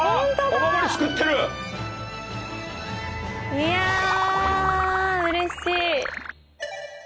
いやうれしい。